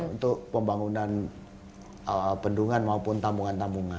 untuk pembangunan bendungan maupun tampungan